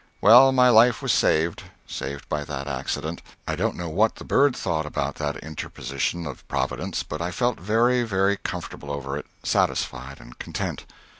Well, my life was saved saved by that accident. I don't know what the bird thought about that interposition of Providence, but I felt very, very comfortable over it satisfied and content.